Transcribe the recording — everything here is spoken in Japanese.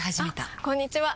あこんにちは！